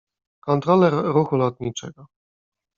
Kontroler ruchu lotniczego.